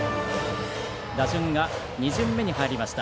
打順が２巡目に入りました。